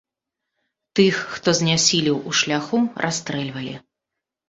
Тых, хто знясілеў у шляху, расстрэльвалі.